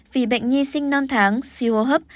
vì bệnh nhi sinh non tháng siêu hô hấp